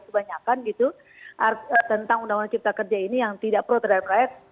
kebanyakan gitu tentang undang undang cipta kerja ini yang tidak pro terhadap rakyat